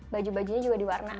baju bajunya juga di warna